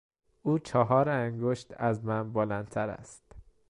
او چهار انگشت از من بلندتر است.